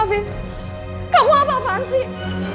afim kamu apa apaan sih